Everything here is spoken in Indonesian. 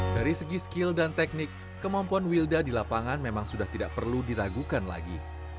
dari segi skill dan teknik kemampuan wilda di lapangan memang sudah tidak perlu diragukan lagi